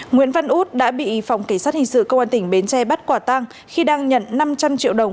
nguyễn văn út đã bị phòng kỳ sát hình sự công an tỉnh bến tre bắt quả tăng khi đang nhận năm trăm linh triệu đồng